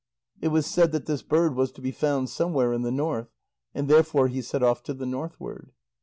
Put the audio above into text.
It was said that this bird was to be found somewhere in the north, and therefore he set off to the northward.